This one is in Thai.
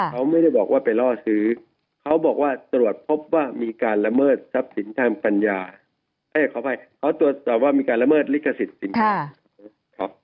เขาไม่ได้บอกว่าไปรอสือเขาบอกว่าตรวจพบว่ามีการละเมิดริกษิตสินค้า